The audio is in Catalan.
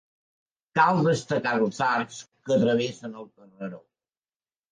Cal destacar els arcs que travessen el carreró.